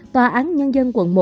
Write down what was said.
tòa án nhân dân quận một